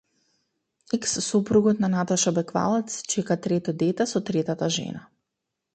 Екс сопругот на Наташа Беквалац чека трето дете со третата жена